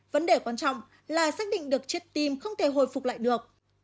vấn đề quan trọng là xác định được chất tim không thể hồi phục lại được